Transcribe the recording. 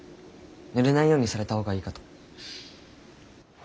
ぬれないようにされた方がいいかと。